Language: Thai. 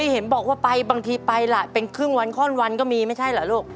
เห็นบอกว่าไปบางทีไปล่ะเป็นครึ่งวันข้อนวันก็มีไม่ใช่เหรอลูก